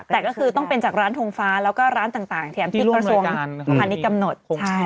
แต่ก็คือต้องเป็นจากร้านทงฟ้าแล้วก็ร้านต่างแถมที่กระทรวงพาณิชย์กำหนด